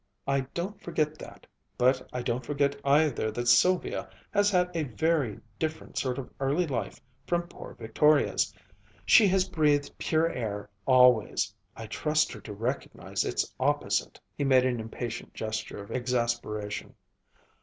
"I don't forget that but I don't forget either that Sylvia has had a very different sort of early life from poor Victoria's. She has breathed pure air always I trust her to recognize its opposite." He made an impatient gesture of exasperation.